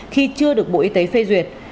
khi chưa được bộ y tế phê duyệt